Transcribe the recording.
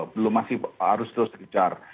belum masih harus terus dikejar